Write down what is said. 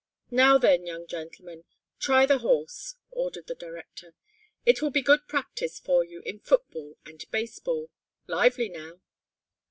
"Now then, young gentlemen, try the horse," ordered the director. "It will be good practice for you in football and baseball. Lively now!"